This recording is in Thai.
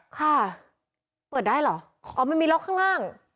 ค่ะเปิดได้เหรออ๋อมันมีล็อกข้างล่าง